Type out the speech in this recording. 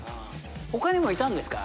他にもいたんですか？